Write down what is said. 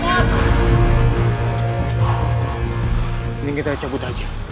mending kita cabut aja